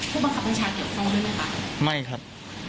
ผู้บังคับข้างชาติเดียวคอยเท่านั้นไหมครับ